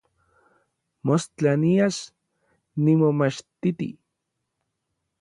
Mostla nias nimomachtiti.